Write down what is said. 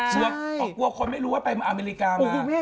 หรือว่ากลัวคนไม่รู้ว่าไปอเมริกานะ